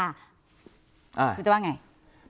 คุณจะบอกยังไง